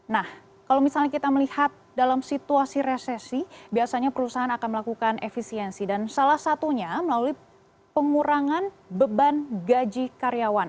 nah kalau misalnya kita melihat dalam situasi resesi biasanya perusahaan akan melakukan efisiensi dan salah satunya melalui pengurangan beban gaji karyawan